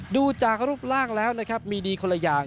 ดูจากรูปร่างแล้วนะครับมีดีคนละอย่าง